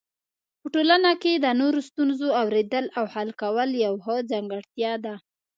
په ټولنه کې د نورو ستونزو اورېدل او حل کول یو ښه ځانګړتیا ده.